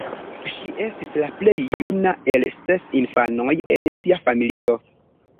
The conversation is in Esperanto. Ŝi estis la plej juna el ses infanoj en sia familio.